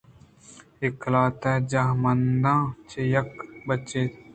اے قلات ءِ جاہمننداں چہ یکے ء ِ بچ اَت